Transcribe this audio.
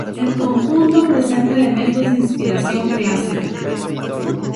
El conjunto presenta elementos de inspiración clásica.